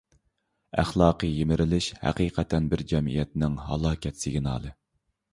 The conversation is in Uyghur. ئەخلاقىي يىمىرىلىش ھەقىقەتەن بىر جەمئىيەتنىڭ ھالاكەت سىگنالى.